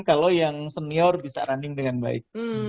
kalau yang senior bisa running dengan baik